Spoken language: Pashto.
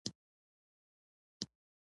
د لیک زده کړه د تمرینونو له لارې پیاوړې شوه.